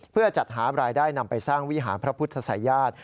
เพื่อจัดหารายได้นำไปสร้างวิหารพระพุทธศัยญาติ